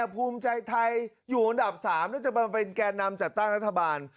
ภูมิใจไทยอยู่อันดับ๓๓และการแอนนำจากต้างรัฐบาล